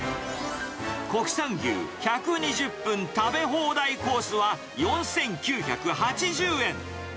国産牛１２０分食べ放題コースは４９８０円。